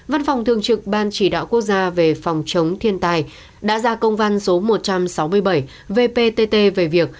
văn phòng thường trực ban chỉ đạo quốc gia về phòng chống thiên tai đã ra công văn số một trăm sáu mươi bảy vpt về việc